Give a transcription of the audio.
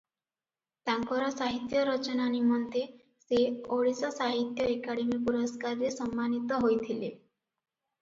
ତାଙ୍କର ସାହିତ୍ୟ ରଚନା ନିମନ୍ତେ ସେ ଓଡ଼ିଶା ସାହିତ୍ୟ ଏକାଡେମୀ ପୁରସ୍କାରରେ ସମ୍ମାନୀତ ହୋଇଥିଲେ ।